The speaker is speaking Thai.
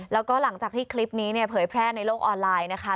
แล้วก็หลังจากที่คลิปนี้เนี่ยเผยแพร่ในโลกออนไลน์นะคะ